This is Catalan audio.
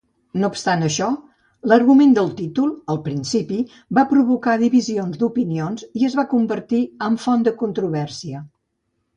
No obstant això, l'argument del títol al principi va provocar divisions d'opinions i es va convertir en font de controvèrsia.